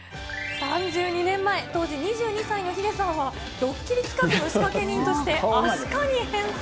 ３２年前、当時２２歳のヒデさんはドッキリ企画の仕掛け人として、アシカに変装。